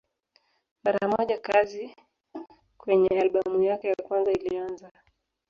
Mara moja kazi kwenye albamu yake ya kwanza ilianza.